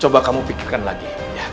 coba kamu pikirkan lagi